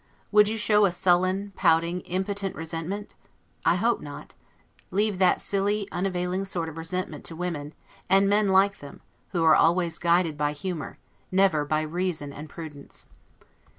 Would you show a sullen, pouting, impotent resentment? I hope not; leave that silly, unavailing sort of resentment to women, and men like them, who are always guided by humor, never by reason and prudence.